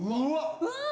うわっ！